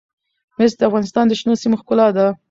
مس د افغانستان د شنو سیمو ښکلا ده.